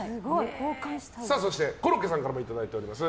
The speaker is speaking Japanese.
そしてコロッケさんからもいただいております。